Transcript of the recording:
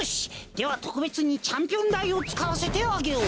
ではとくべつにチャンピオンだいをつかわせてあげよう。